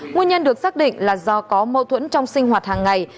nguyên nhân được xác định là do có mâu thuẫn trong sinh hoạt hàng ngày